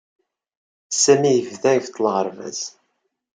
Sami yebda ibeṭṭel aɣerbaz.